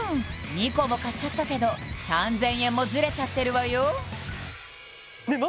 ２個も買っちゃったけど３０００円もズレちゃってるわよねえ